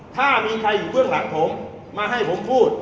ถ้ามีใครอยู่เบื้องหลังผมมาให้ผมพูด